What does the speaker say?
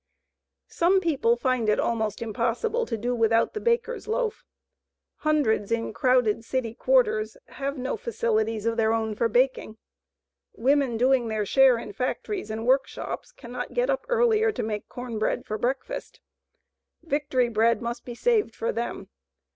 Some people find it is almost impossible to do without the baker's loaf. Hundreds in crowded city quarters have no facilities of their own for baking. Women doing their share in factories and workshops cannot get up earlier to make corn bread for breakfast. Victory bread must be saved for them.